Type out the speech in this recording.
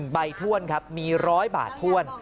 ใบถ้วนครับมี๑๐๐บาทถ้วน